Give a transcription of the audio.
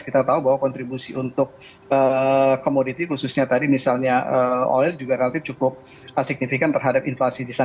kita tahu bahwa kontribusi untuk komoditi khususnya tadi misalnya oil juga relatif cukup signifikan terhadap inflasi di sana